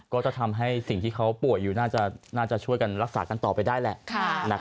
ก็จะทำให้สิ่งที่เขาป่วยอยู่น่าจะช่วยกันรักษากันต่อไปได้แหละ